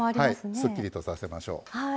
すっきりとさせましょう。